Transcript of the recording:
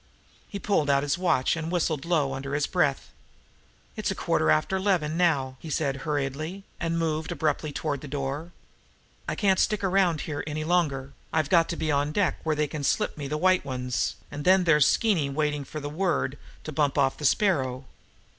He pulled out his watch and whistled low under his breath. "It's a quarter after eleven now," he said hurriedly, and moved abruptly toward the door. "I can't stick around here any longer. I've got to be on deck where they can slip me the 'white ones,' and then there's Skeeny waiting for the word to bump off the Sparrow."